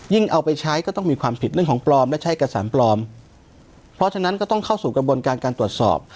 เอาไปใช้ก็ต้องมีความผิดเรื่องของปลอมและใช้เอกสารปลอมเพราะฉะนั้นก็ต้องเข้าสู่กระบวนการการตรวจสอบ